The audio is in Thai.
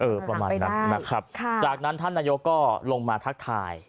ประมาณนั้นนะครับค่ะจากนั้นท่านนายกก็ลงมาทักทาย